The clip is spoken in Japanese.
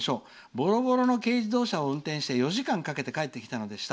ぼろぼろの軽自動車を運転して４時間かけて帰ってきたのでした。